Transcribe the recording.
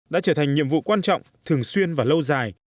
đã trở thành nhiệm vụ quan trọng thường xuyên và lâu dài